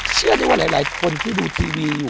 เชื่อได้ว่าหลายคนที่ดูทีวีอยู่